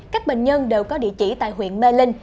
các bệnh nhân đều có địa chỉ tại huyện mê linh